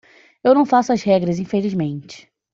Eu não faço as regras infelizmente.